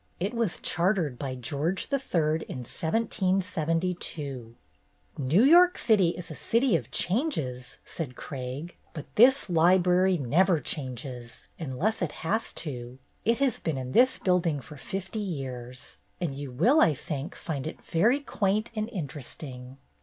It was chartered by George III in 1772. "New York city is a city of changes,'' said Craig, "but this library never changes — un less it has to. It has been in this building for fifty years, and you will, I think, find it very quaint and interesting."